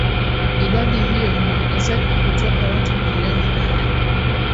idadi hiyo imeongezeka kutoka watu milioni nane